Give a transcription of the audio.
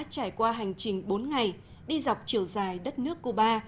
họ đã trải qua hành trình bốn ngày đi dọc chiều dài đất nước cuba